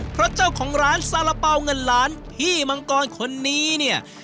เพราะเจ้าของร้านซาระเป๋าเงินล้านพี่มังกรคนนี้เนี่ย